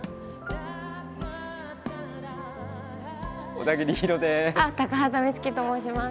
小田切ヒロです。